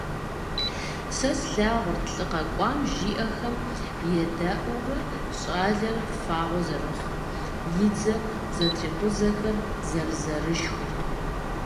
Сэ слъагъурт лӀы къэкӀуам жиӀэхэм едаӀуэурэ щӏалэр фагъуэ зэрыхъур, и дзэ зэтрикъузэхэр зэрызэрышхыр.